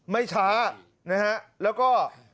ไม่ช้านะฮะแล้วก็